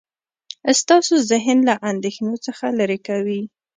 ستاسو ذهن له اندیښنو څخه لرې کوي.